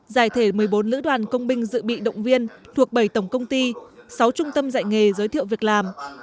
giải thể một mươi bốn lữ đoàn công binh dự bị động viên thuộc bảy tổng công ty sáu trung tâm dạy nghề giới thiệu việc làm